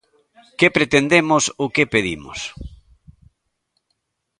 ¿Que pretendemos ou que pedimos?